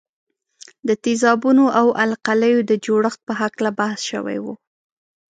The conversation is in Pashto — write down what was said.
د تیزابونو او القلیو د جوړښت په هکله بحث شوی وو.